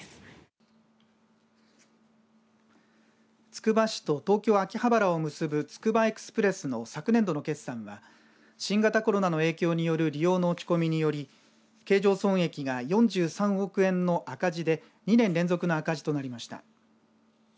つくば市と東京、秋葉原を結ぶつくばエクスプレスの昨年度の決算は新型コロナの影響による利用の落ち込みにより経常損益が４３億円の赤字で２年連続の赤字となりました。